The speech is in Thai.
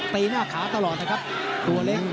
ตีหน้าขาตลอดนะครับตัวเล็ก